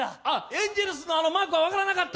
エンゼルスのあのマークが分からなかった？